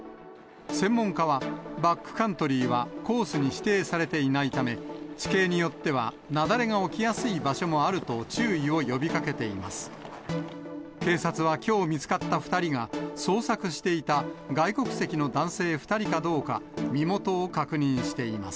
専門家はバックカントリーは、コースに指定されていないため、地形によっては、雪崩が起きやすい場所もあると注意を呼びかけています。